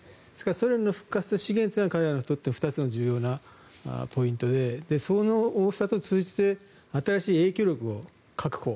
ソ連の復活と資源というのは彼らにとって２つのポイントでその大きさと通じて新しい影響力を確保